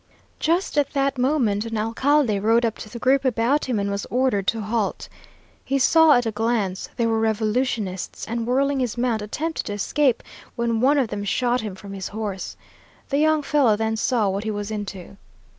Just at that moment an alcalde rode up to the group about him, and was ordered to halt. He saw at a glance they were revolutionists, and whirling his mount attempted to escape, when one of them shot him from his horse. The young fellow then saw what he was into.